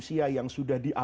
kedatangan tahun ini